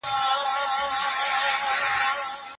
څه شی کډوال بیرته ستنیدو ته هڅوي؟